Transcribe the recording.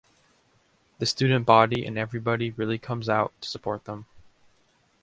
The student body and everybody really comes out to support them.